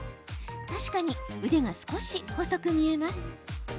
確かに、腕が少し細く見えます。